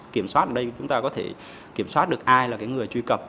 kiểm soát ở đây chúng ta có thể kiểm soát được ai là cái người truy cập